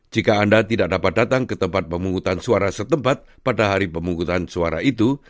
jika anda tidak dapat datang ke tempat pemungutan suara setempat pada hari pemungutan suara itu